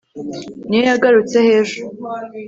niyo yagarutseho ejo